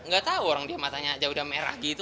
gak tau orang dia matanya aja udah merah gitu